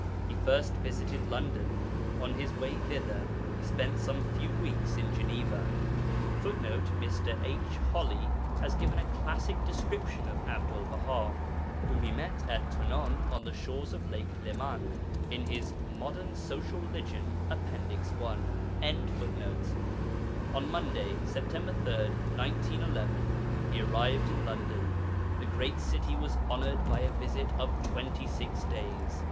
He first visited London. On His way thither He spent some few weeks in Geneva. [Footnote: Mr. H. Holley has given a classic description of Abdul Baha, whom he met at Thonon on the shores of Lake Leman, in his Modern Social Religion, Appendix I.] On Monday, Sept. 3, 1911, He arrived in London; the great city was honoured by a visit of twenty six days.